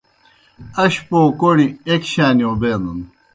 اشپو کوݨیْ ایْک شانِیؤ بینَن